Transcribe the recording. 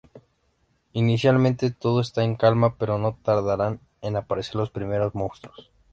Inicialmente todo está en calma, pero no tardarán en aparecer los primeros monstruos.